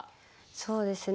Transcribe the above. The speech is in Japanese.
そうですね。